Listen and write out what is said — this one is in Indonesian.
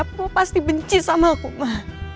papa pasti benci sama aku ma